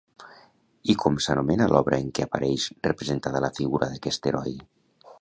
I com s'anomena l'obra en què apareix representada la figura d'aquest heroi?